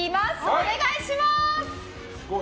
お願いします！